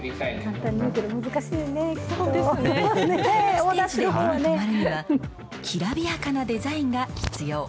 ステージで目に留まるには、きらびやかなデザインが必要。